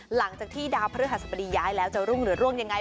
หลังจากที่ดาวพระฤหัสบดีย้ายแล้วจะรุ่งหรือร่วงยังไง